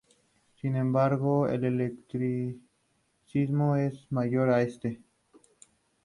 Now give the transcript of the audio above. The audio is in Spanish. Midtjylland, alzando el trofeo por segundo año consecutivo.